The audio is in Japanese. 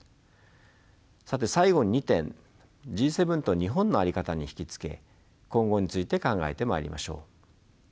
さて最後に２点Ｇ７と日本の在り方に引き付け今後について考えてまいりましょう。